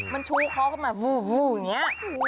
มันชู้เคาะเข้ามาวู๊วอย่างนี้